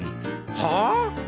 はあ？